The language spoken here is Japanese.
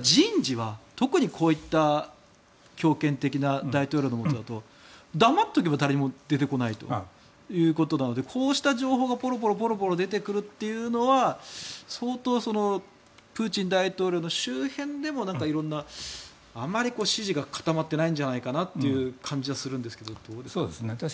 人事は特にこういった強権的な大統領のもとだと黙っとけば誰も出てこないということなのでこうした情報がポロポロ出てくるというのは相当プーチン大統領の周辺でもあまり支持が固まってないんじゃない感じがしますがどうですか。